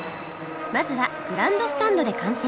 まずはグランドスタンドで観戦